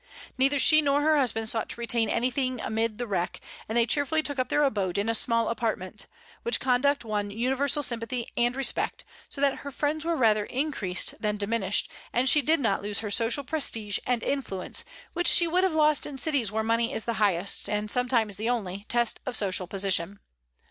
Neither she nor her husband sought to retain anything amid the wreck, and they cheerfully took up their abode in a small apartment, which conduct won universal sympathy and respect, so that her friends were rather increased than diminished, and she did not lose her social prestige and influence, which she would have lost in cities where money is the highest, and sometimes the only, test of social position.